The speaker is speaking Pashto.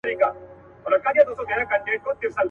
یوه ورځ قسمت راویښ بخت د عطار کړ.